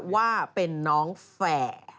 ว่าเป็นน้องแฝ